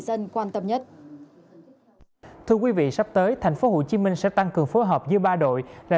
dân quan tâm nhất thưa quý vị sắp tới thành phố hồ chí minh sẽ tăng cường phối hợp dưới ba đội là